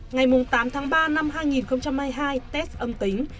ngày tám tháng ba năm hai nghìn hai mươi hai test âm tính